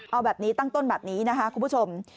เอาแบบนี้ตั้งต้นแบบนี้นะคะคุณผู้ชม